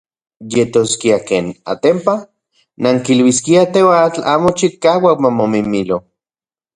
Yetoskia ken, atenpa, nankiluiskiaj teoatl amo chikauak mamomimilo.